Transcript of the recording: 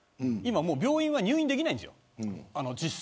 今もう入院できないんですよ。